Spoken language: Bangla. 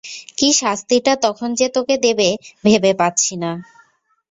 কী শাস্তিটা তখন যে তোকে দেবে ভেবে পাচ্ছি না।